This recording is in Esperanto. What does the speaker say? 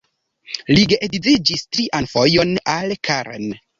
Li geedziĝis trian fojon, al Karen.